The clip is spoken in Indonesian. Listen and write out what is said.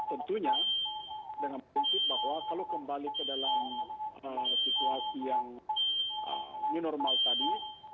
tentunya dengan prinsip bahwa kalau kembali ke dalam situasi yang new normal tadi